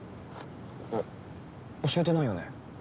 お教えてないよね？